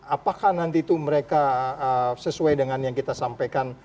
apakah nanti itu mereka sesuai dengan yang kita sampaikan